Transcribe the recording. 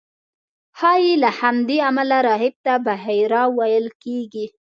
ښایي له همدې امله راهب ته بحیرا ویل کېږي.